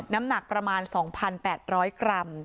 น้ำหนักประมาณ๒๘๐๐กรัม